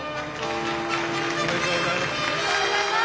おめでとうございます。